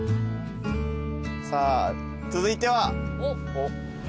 さあ続いては？